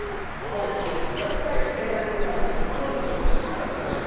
ちょっと１回例題見てもらいましょう。